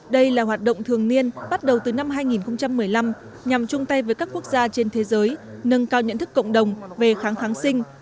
đây là hoạt động thường niên bắt đầu từ năm hai nghìn một mươi năm nhằm chung tay với các quốc gia trên thế giới nâng cao nhận thức cộng đồng về kháng kháng sinh